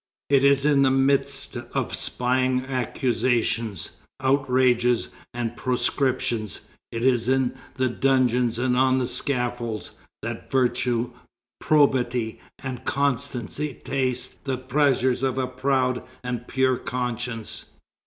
It is in the midst of spying accusations, outrages, and proscriptions, it is in dungeons and on scaffolds, that virtue, probity, and constancy taste the pleasures of a proud and pure conscience."